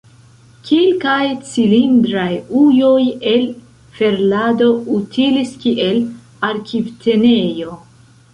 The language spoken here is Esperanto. Kelkaj cilindraj ujoj el ferlado utilis kiel arkivtenejo.